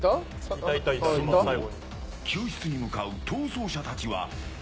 そのころ、救出に向かう逃走者たちは。